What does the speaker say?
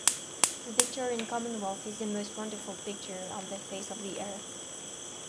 The Victorian Commonwealth is the most wonderful picture on the face of the earth.